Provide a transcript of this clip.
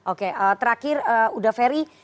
oke terakhir uda ferry